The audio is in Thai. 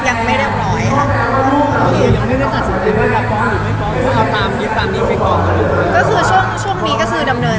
ถึงที่เราตามนี้ตามนี้ไปก่อนก็คือช่วงช่วงนี้ก็คือดำเนิน